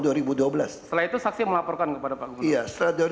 setelah itu saksi melaporkan kepada pak gubernur